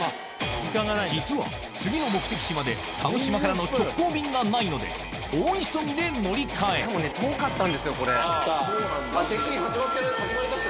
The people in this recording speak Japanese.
実は次の目的地まで鹿児島からの直行便がないので大急ぎで乗り換えあった。